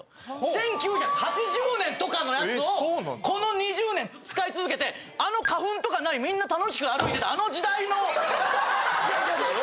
１９８０年とかのやつをこの２０年使い続けてあの花粉とか無いみんな楽しく歩いてたあの時代の。